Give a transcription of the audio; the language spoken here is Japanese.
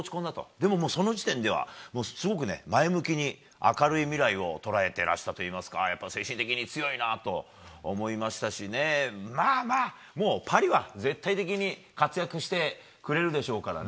でも、その時点ではすごく前向きに明るい未来を捉えていらしたといいますか、精神的に強いなと思いましたしまあ、パリはもう絶対的に活躍してくれるでしょうからね。